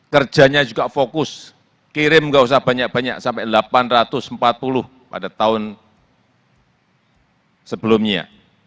kerjanya juga fokus kirim gak usah banyak banyak sampai delapan ratus empat puluh pada tahun sebelumnya